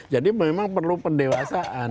jadi memang perlu pendewasaan